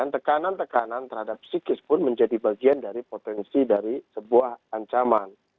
tekanan tekanan terhadap psikis pun menjadi bagian dari potensi dari sebuah ancaman